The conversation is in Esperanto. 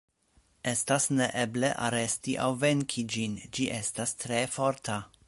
Estas neeble aresti aŭ venki ĝin, ĝi estas tre forta.